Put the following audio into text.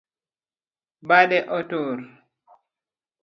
Bade otur